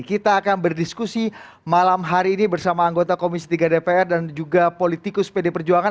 kita akan berdiskusi malam hari ini bersama anggota komisi tiga dpr dan juga politikus pd perjuangan